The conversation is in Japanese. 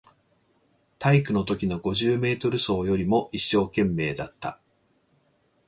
体育のときの五十メートル走よりも一生懸命だった